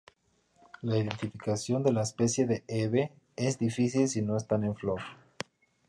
La identificación de la especie de "Hebe" es difícil si no están en flor.